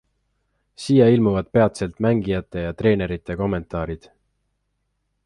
Siia ilmuvad peatselt mängijate ja treenerite kommentaarid.